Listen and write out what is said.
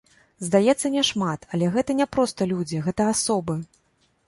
Здаецца, няшмат, але гэта не проста людзі, гэта асобы.